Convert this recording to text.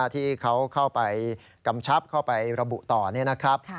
ที่เขาเข้าไปกำชับเข้าไประบุต่อนี่นะครับ